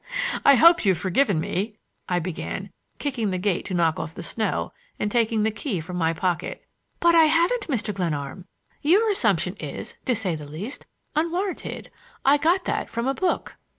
"I hope you've forgiven me—" I began, kicking the gate to knock off the snow, and taking the key from my pocket. "But I haven't, Mr. Glenarm. Your assumption is, to say the least, unwarranted,—I got that from a book!"